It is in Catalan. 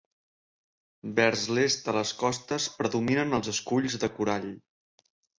Vers l'est a les costes predominen els esculls de corall.